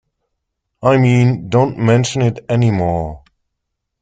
I mean, don't mention it any more.